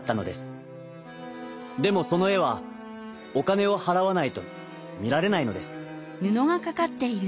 でもそのえはおかねをはらわないとみられないのです。